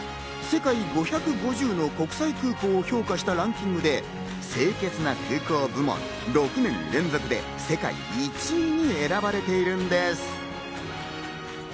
世界５５０の国際空港を評価したランキングで清潔な空港部門６年連続で世界１位に選ばれているのです。